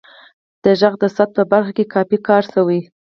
د غږ د ثبت په برخه کې کافی کار شوی